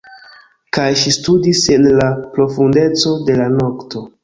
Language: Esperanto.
Kaj ŝi studis en la profundecon de la nokto.